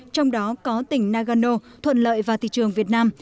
trong đó có tỉnh nagano thuận lợi vào thị trường việt nam